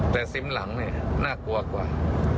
แต่ซิมหลังเนี่ยน่ากลัวกว่า